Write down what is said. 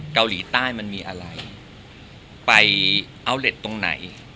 เกาหลีใต้มันมีอะไรไปตรงไหน